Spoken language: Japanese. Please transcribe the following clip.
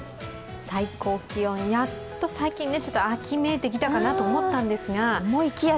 最高気温、やっと最近ちょっと秋めいてきたかなと思ったんですが？